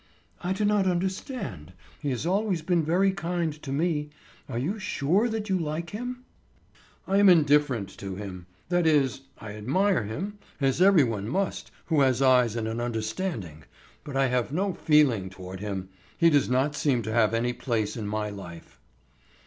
"I do not understand. He has always been very kind to me. Are you sure that you like him?" "I am indifferent to him; that is, I admire him, as everyone must who has eyes and an understanding. But I have no feeling toward him; he does not seem to have any place in my life."